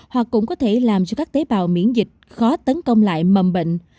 hoặc cũng có thể làm cho các tế bào miễn dịch khó tấn công lại mầm bệnh